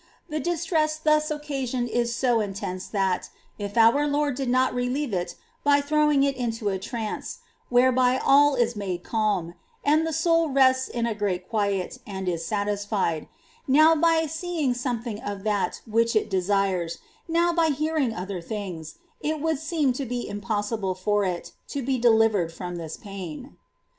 The distress thus occasioned is so intense that, if our Lord did not relieve it by throwing it into a trance, whereby all is made calm, and the soul rests in great quiet and is satisfied, now by seeing something of that which it desires, now by hearing other things, it would seem to be impossible for it to be delivered from this pain.